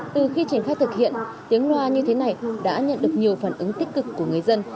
từ khi triển khai thực hiện tiếng loa như thế này đã nhận được nhiều phản ứng tích cực của người dân